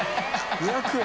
２００円？